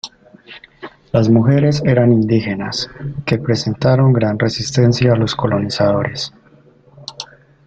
Las mujeres eran indígenas, que presentaron gran resistencia a los colonizadores.